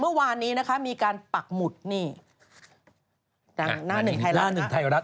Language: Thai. เมื่อวานนี้มีการปักหมุดนี่น่าหนึ่งไทยรัฐ